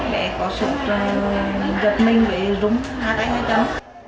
bé có sụt giật mình rung hát tay hát chân